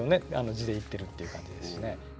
地でいっているっていう感じですしね。